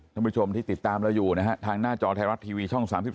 ท่านผู้ชมที่ติดตามเราอยู่นะฮะทางหน้าจอไทยรัฐทีวีช่อง๓๒